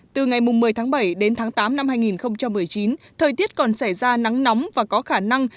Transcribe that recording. từ ngày một mươi tháng bảy đến tháng tám năm hai nghìn một mươi chín thời tiết còn xảy ra nắng nóng và có khả năng